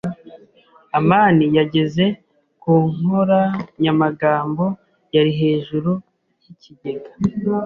amani yageze ku nkoranyamagambo yari hejuru yikigega.